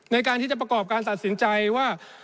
ในการที่จะประกอบการตัดสินใจว่า